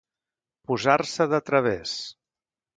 Posar-se de través.